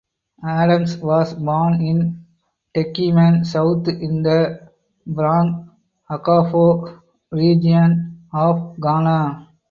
Adams was born in Techiman South in the Brong Ahafo Region of Ghana.